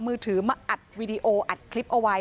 มือถือมาอัดวีดีโออัดคลิปเอาไว้